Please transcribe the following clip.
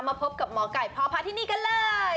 พบกับหมอไก่พ่อพาที่นี่กันเลย